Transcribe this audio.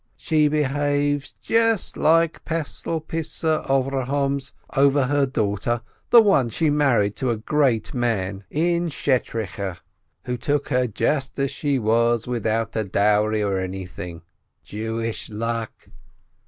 She behaves just like Pessil Peise Avrohom's over her daughter, the one she married to a great man in Schtrischtch, who took her 122 SHOLOM ALECHEM just as she was, without any dowry or anything — Jewish luck!